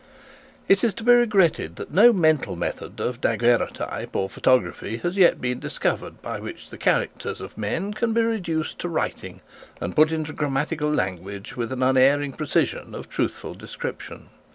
It is to be regretted that no mental method of daguerreotype or photography has yet been discovered, by which the characters of men can be reduced to writing and put into grammatical language with an unerring precision of truthful description.